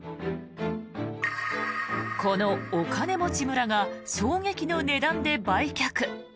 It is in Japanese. このお金持ち村が衝撃の値段で売却。